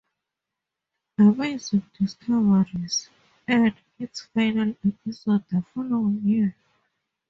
"Amazing Discoveries" aired its final episode the following year.